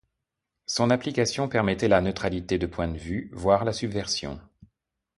Son application permettrait la neutralité de point de vue, voire la subversion.